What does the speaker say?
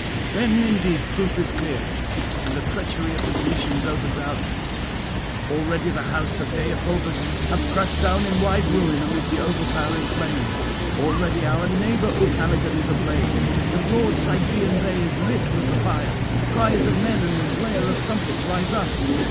Then indeed proof is clear, and the treachery of the Grecians opens out. Already the house of Deïphobus hath crashed down in wide ruin amid the overpowering flames; already our neighbour Ucalegon is ablaze: the broad Sigean bay is lit with the fire. Cries of men and blare of trumpets rise up.